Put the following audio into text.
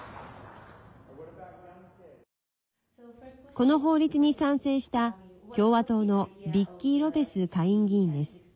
この法律に賛成した、共和党のビッキー・ロペス下院議員です。